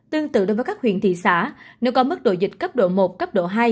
tương tự đối với các huyện thị xã nếu có mức độ dịch cấp độ một cấp độ hai